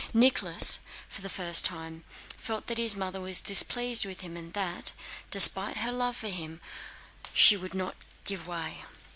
Nicholas, for the first time, felt that his mother was displeased with him and that, despite her love for him, she would not give way.